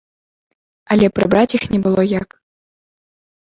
Але прыбраць іх не было як.